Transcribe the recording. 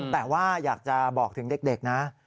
แต่ว่าอยากจะบอกถึงเด็กนะ